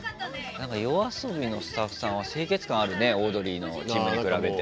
なんかＹＯＡＳＯＢＩのスタッフさんは清潔感あるねオードリーのチームに比べて。